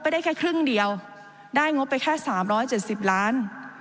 ได้แค่ครึ่งเดียวได้งบไปแค่๓๗๐ล้าน